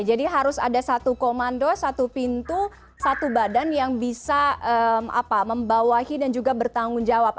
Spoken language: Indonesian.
jadi harus ada satu komando satu pintu satu badan yang bisa membawahi dan juga bertanggung jawab